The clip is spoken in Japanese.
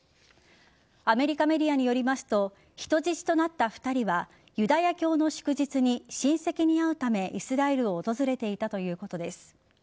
アメリカメディアによりますと人質となった２人はユダヤ教の祝日に親戚に会うためイスラエルを訪れていたということです。